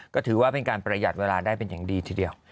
ก็ถือว่าเป็นการประหยัดเวลาได้เป็นอย่างดีทีเดียว